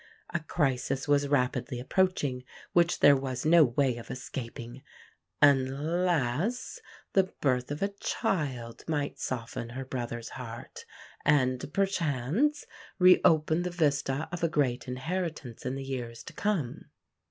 A crisis was rapidly approaching which there was no way of escaping unless the birth of a child might soften her brother's heart, and, perchance, re open the vista of a great inheritance in the years to come.